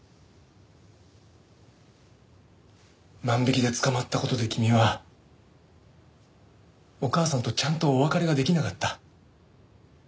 万引きで捕まった事で君はお母さんとちゃんとお別れができなかった。